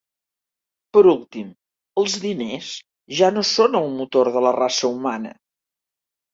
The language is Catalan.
Per últim, els diners ja no són el motor de la raça humana.